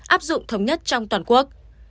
áp dụng thống nhất trong toàn quốc